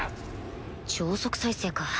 超速再生か